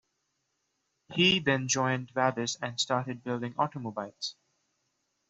He then joined Vabis and started building automobiles.